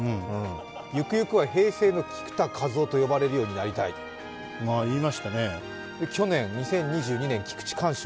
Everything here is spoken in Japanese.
ゆくゆくは平成の菊田一夫と呼ばれるようになりたい、去年、２０２２年の菊池寛賞。